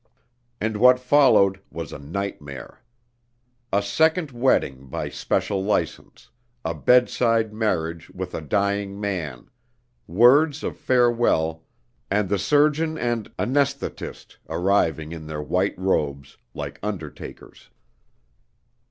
And what followed was a nightmare: a second wedding by special license, a bedside marriage with a dying man, words of farewell, and the surgeon and anesthetist arriving in their white robes like undertakers.